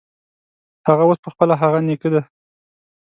هغه اوس پخپله هغه نیکه دی.